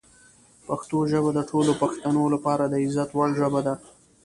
پښتو ژبه د ټولو پښتنو لپاره د عزت وړ ژبه ده.